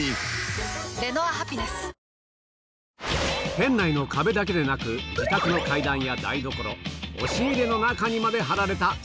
店内の壁だけでなく自宅の階段や台所押し入れの中にまで貼られた実際に